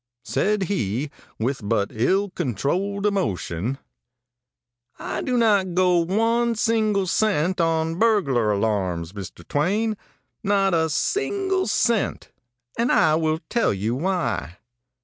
Said he, with but ill controlled emotion: ãI do not go one single cent on burglar alarms, Mr. Twain not a single cent and I will tell you why.